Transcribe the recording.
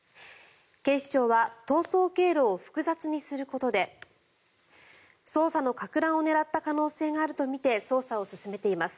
警視庁は逃走経路を複雑にすることで捜査のかく乱を狙った可能性があるとみて捜査を進めています。